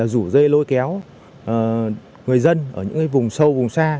rủ dê lôi kéo người dân ở những vùng sâu vùng xa